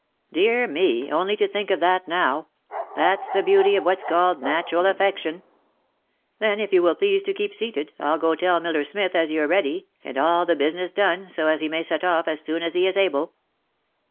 " Dear me ! only to think of that now ! That's the beauty of what's called natural affection ! Then if you will please to keep seated I'll go tell Miller Smith as you're ready, and all the business done, so as he may set off as soon as he is able."